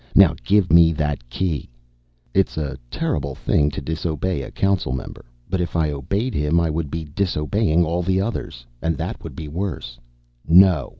Now, give me that Key!" It's a terrible thing to disobey a council member. But if I obeyed him, I would be disobeying all the others. And that would be worse. "No!"